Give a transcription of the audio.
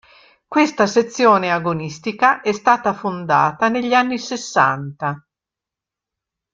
Questa sezione agonistica è stata fondata negli anni sessanta.